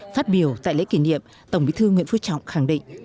phát biểu tại lễ kỷ niệm tổng bí thư nguyễn phú trọng khẳng định